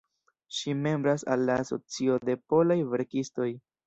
Ŝi membras al la Asocio de Polaj Verkistoj.